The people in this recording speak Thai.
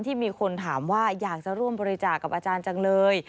มีคนถามว่าอยากจะร่วมบริจาคกับอาจารย์จังเลย